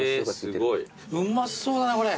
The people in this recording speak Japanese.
うまそうだねこれ。